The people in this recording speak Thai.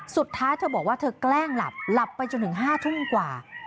สุดท้ายเธอบอกว่าเธอแกล้งหลับหลับไปจนถึง๕ทุ่มกว่า